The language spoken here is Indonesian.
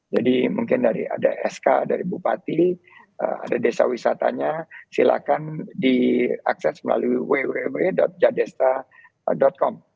jadi mungkin dari sk dari bupati ada desa wisatanya silakan diakses melalui www jadesta com